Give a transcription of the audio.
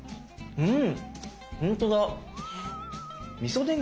うん。